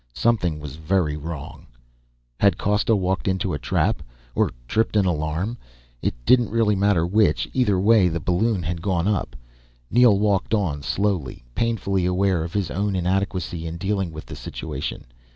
Something was very wrong. Had Costa walked into a trap or tripped an alarm? It didn't really matter which, either way the balloon had gone up. Neel walked on slowly, painfully aware of his own inadequacy in dealing with the situation.